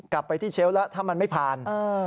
กลับไปที่เชลล์แล้วถ้ามันไม่ผ่าน